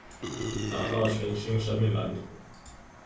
打造全新生命藍圖